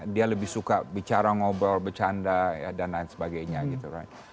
dia lebih suka bicara ngobrol bercanda dan lain sebagainya gitu kan